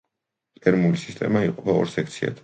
პერმული სისტემა იყოფა ორ სექციად.